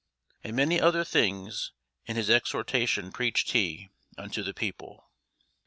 And many other things in his exhortation preached he unto the people.